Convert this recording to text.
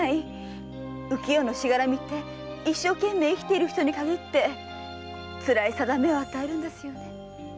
浮世のしがらみって一生懸命生きている人に限ってつらい運命を与えるんですよ。